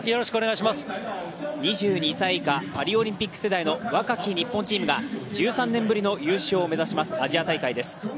２２歳以下、パリオリンピック世代の若き日本チームが、１３年ぶりの優勝を目指しますアジア大会です。